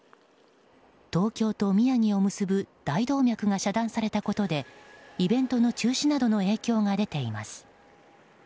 東京と宮城を結ぶ大動脈が遮断されたことでイベントの中止などの影響が出ています。